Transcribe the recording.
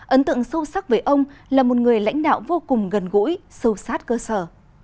ấn tượng sâu sắc về ông là một người lãnh đạo vô cùng gần gũi sâu sát cơ sở